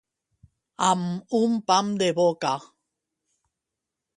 Amb un pam de boca.